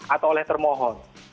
atau oleh termohon